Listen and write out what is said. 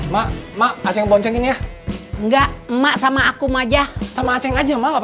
ma ma asing boncengin ya enggak ma sama akum aja sama asing aja ma nggak